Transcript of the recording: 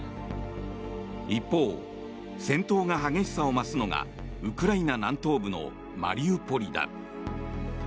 一方、戦闘が激しさを増すのがウクライナ南東部のマリウポリだ。